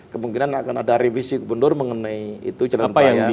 kemungkinan akan ada revisi gubernur mengenai itu jalan raya